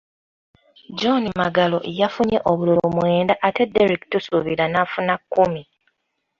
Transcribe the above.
John Magalo yafunye obululu mwenda ate Derrick Tusubira n’afuna kkumi.